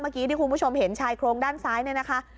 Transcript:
เมื่อกี้ที่คุณผู้ชมเห็นชายโครงด้านซ้ายเนี่ยนะคะ